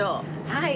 はい。